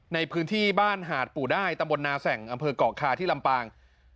ในพื้นที่บ้านหาดปู่ได้ตำบลนาแสงอำเภอกเกาะคาที่ลำปาง